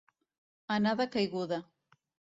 Anar de caiguda.